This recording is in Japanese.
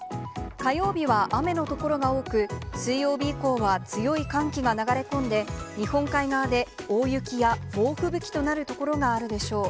火曜日は雨の所が多く、水曜日以降は強い寒気が流れ込んで、日本海側で大雪や猛吹雪となる所があるでしょう。